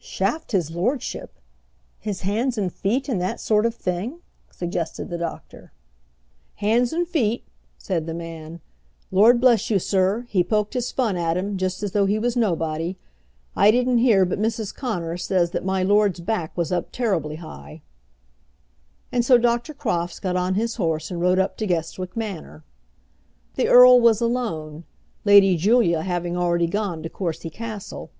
"Chaffed his lordship; his hands and feet, and that sort of thing?" suggested the doctor. "Hands and feet!" said the man. "Lord bless you, sir, he poked his fun at him, just as though he was nobody. I didn't hear, but Mrs. Connor says that my lord's back was up terribly high." And so Dr. Crofts got on his horse and rode up to Guestwick Manor. The earl was alone, Lady Julia having already gone to Courcy Castle.